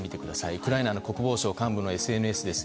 ウクライナの国防省幹部のＳＮＳです。